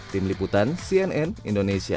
tim liputan cnn indonesia